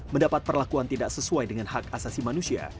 mendapat perlakuan tidak sesuai dengan hak asasi manusia